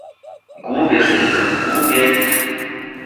"„Głupiec jestem, głupiec!"